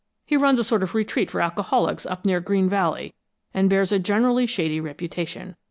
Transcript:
He runs a sort of retreat for alcoholics up near Green Valley, and bears a generally shady reputation.